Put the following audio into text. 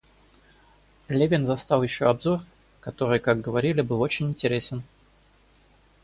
Левин застал еще обзор, который, как все говорили, был очень интересен.